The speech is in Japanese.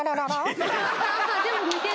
でも似てる。